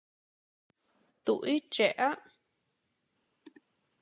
Tuổi trẻ